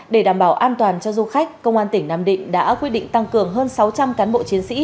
để đảm bảo an toàn cho du khách công an tỉnh nam định đã quyết định tăng cường hơn sáu trăm linh cán bộ chiến sĩ